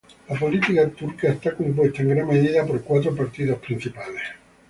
La política turca está compuesta en gran medida por cuatro partidos principales.